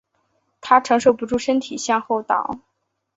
她承受不住身体向后倒